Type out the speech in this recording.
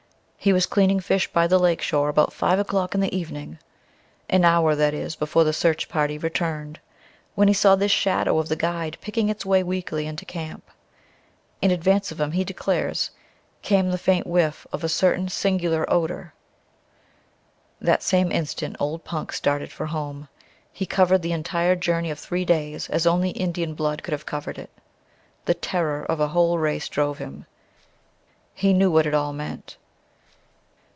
He was cleaning fish by the lake shore about five o'clock in the evening an hour, that is, before the search party returned when he saw this shadow of the guide picking its way weakly into camp. In advance of him, he declares, came the faint whiff of a certain singular odour. That same instant old Punk started for home. He covered the entire journey of three days as only Indian blood could have covered it. The terror of a whole race drove him. He knew what it all meant.